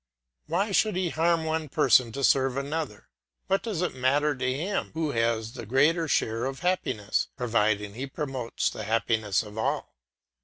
Why should he harm one person to serve another? What does it matter to him who has the greater share of happiness, providing he promotes the happiness of all?